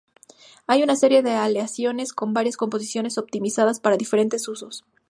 Hay una serie de aleaciones con varias composiciones optimizadas para diferentes usos.